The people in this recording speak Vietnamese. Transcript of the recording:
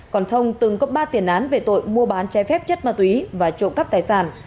còn thông từng có ba tiền án về tội mua bán trái phép chất ma túy và trộm cắp tài sản